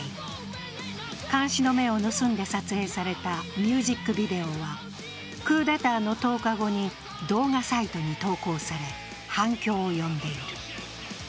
監視の目を盗んで撮影されたミュージックビデオは、クーデターの１０日後に動画サイトに投稿され反響を呼んでいる。